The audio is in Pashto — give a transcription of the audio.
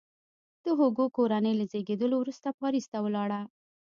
د هوګو کورنۍ له زیږېدلو وروسته پاریس ته ولاړه.